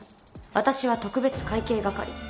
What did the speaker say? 私は特別会計係。